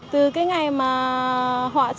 từ cái ngày mà họa sinh